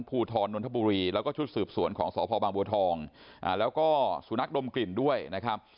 ภูทรนนทบุรีแล้วก็ชุดสืบสวนของสพบางบัวทองแล้วก็สุนัขดมกลิ่นด้วยนะครับ